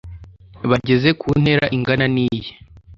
bageze ku ntera ingana n iye